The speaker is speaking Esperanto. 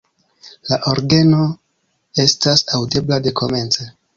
La orgeno estas aŭdebla dekomence.